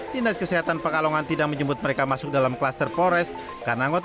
dinas kesehatan pekalongan tidak menjemput mereka masuk dalam kluster polres karena anggota